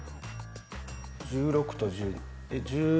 １６と１０。